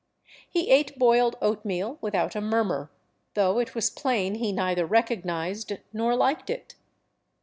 He ate boiled oatmeal without a murmur, though it was plain he neither recognized nor liked it.